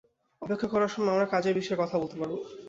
অপেক্ষা করার সময় আমরা কাজের বিষয়ে কথা বলতে পারবো।